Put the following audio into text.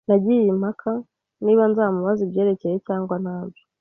Nagiye impaka niba nzamubaza ibyerekeye cyangwa ntabyo.